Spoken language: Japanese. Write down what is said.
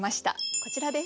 こちらです。